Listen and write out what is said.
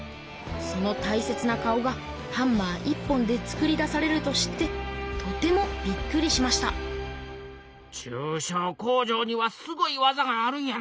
そのたいせつな顔がハンマー１本で作り出されると知ってとてもびっくりしました中小工場にはすごい技があるんやな。